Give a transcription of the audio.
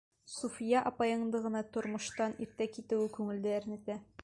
Суфия апайыңдың ғына тормоштан иртә китеүе күңелде әрнетә.